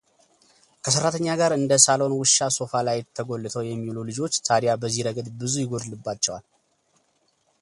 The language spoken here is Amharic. ከሠራተኛ ጋር እንደ ሳሎን ውሻ ሶፋ ላይ ተጎልተው የሚውሉ ልጆች ታዲያ በዚህ ረገድ ብዙ ይጎድልባቸዋል።